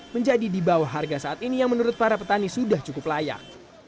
menjadi di bawah harga saat ini yang menurut para petani sudah cukup layak